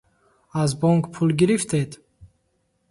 Аз бонк пул гирифтед?